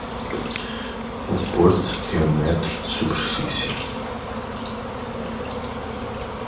O Porto tem um metro de superfície.